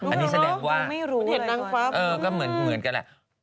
อันนี้แสดงว่าเหมือนกันแหละ